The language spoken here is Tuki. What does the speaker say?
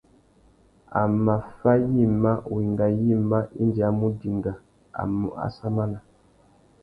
A mà fá yïmá, wenga yïmá indi a mù dinga, a mù assamana.